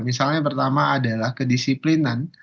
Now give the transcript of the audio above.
misalnya pertama adalah kedisiplinan